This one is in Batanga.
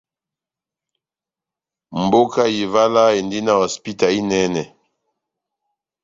Mboka ya Ivala endi na hosipita inɛnɛ.